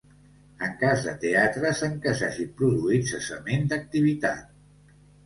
En cas de teatres en què s'hagi produït cessament d'activitat.